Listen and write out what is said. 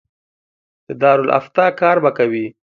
د دارالافتا کار به کوي.